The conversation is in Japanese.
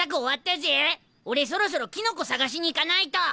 俺そろそろきのこ探しにいかないと。